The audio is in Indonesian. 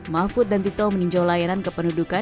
mahfud dan tito meninjau layanan kependudukan